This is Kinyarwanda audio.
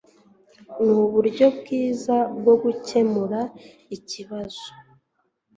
Nuburyo bwiza bwo gukemura ikibazo